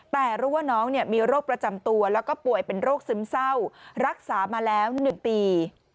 แต่รู้ว่าน้องมีโรคประจำตัวแล้วก็ป่วยเป็นโรคซึมเศร้ารักษามาแล้ว๑ปี